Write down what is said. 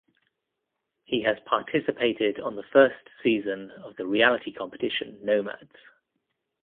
He has participated on the first season of the reality competition "Nomads".